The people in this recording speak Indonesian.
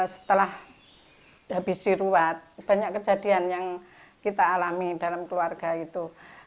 setelah habis diruat banyak kejadian yang kita alami dalam keluarga itu